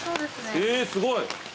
えーすごい！